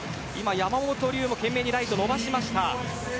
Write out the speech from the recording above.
山本龍も懸命にライト伸ばしました。